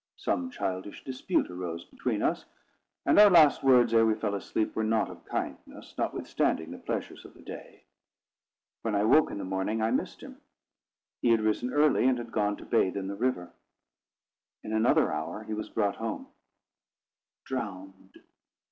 Some childish dispute arose between us; and our last words, ere we fell asleep, were not of kindness, notwithstanding the pleasures of the day. When I woke in the morning, I missed him. He had risen early, and had gone to bathe in the river. In another hour, he was brought home drowned.